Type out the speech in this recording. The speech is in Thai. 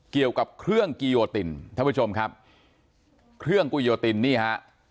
เกี่ยวกับเครื่องกิโยตินท่านผู้ชมครับเครื่องกุยโยตินนี่ฮะ